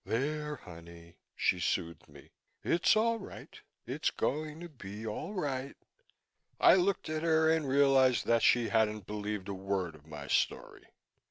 "There, honey," she soothed me. "It's all right. It's going to be all right." I looked at her and realized that she hadn't believed a word of my story.